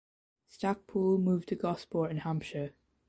Stacpoole moved to Gosport in Hampshire.